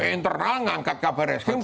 internal ngangkat kabar resmi